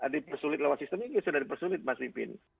dipersulit lewat sistem ini sudah dipersulit mas pipin